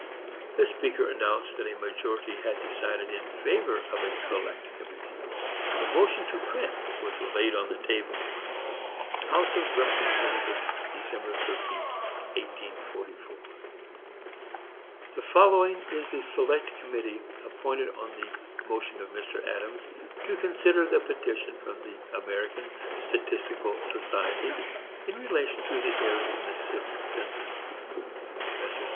The speaker announced that a majority had decided in favor of a select committee. The motion to print was laid on the table. HOUSE OF REPRESENTATIVES. Dec. 13, 1844.—The following is the Select Committee appointed, on the motion of Mr. Adams, to consider the petition from the American Statistical Society in relation to the errors in the sixth census: Messrs.